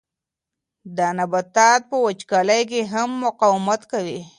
دا نبات په وچکالۍ کې هم مقاومت کوي.